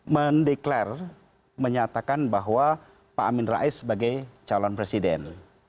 mendeklarasi menyatakan bahwa pak amin rais sebagai calon presiden